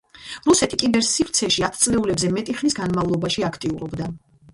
რუსეთი კიბერ-სივრცეში ათწლეულზე მეტი ხნის განმავლობაში აქტიურობდა.